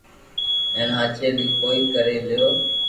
ھين ھاچي لي ڪوئي ڪري ليو